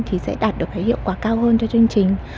thì sẽ đạt được cái hiệu quả cao hơn cho chương trình